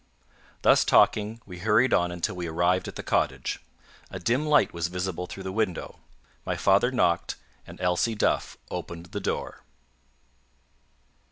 Thus talking, we hurried on until we arrived at the cottage. A dim light was visible through the window. My father knocked, and Elsie Duff opened the door.